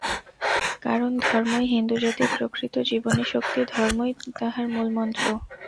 কারণ ধর্মই হিন্দুজাতির প্রকৃত জীবনীশক্তি, ধর্মই তাহার মূলমন্ত্র।